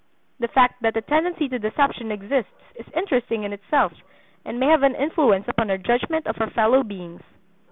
The fact that a tendency to deception exists is interesting in itself, and may have an influence upon our judgment of our fellow beings.